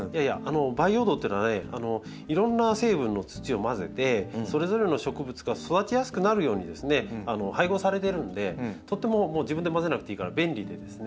培養土というのはねいろんな成分の土を混ぜてそれぞれの植物が育ちやすくなるようにですね配合されてるのでとっても自分で混ぜなくていいから便利なんですね。